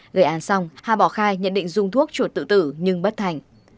gây án xong hà bỏ khai nhận định dùng thuốc chuột tự tử nhưng bất thành